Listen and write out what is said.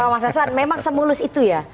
mas hasan memang semulus itu ya